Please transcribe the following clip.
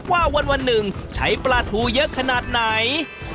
ว่าวันหนึ่งใช้ปลาทูเยอะขนาดไหน